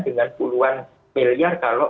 dengan puluhan miliar kalau